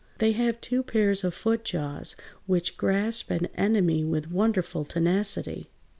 They have two pairs of foot jaws (Fig. 166) which grasp an enemy with wonderful tenacity.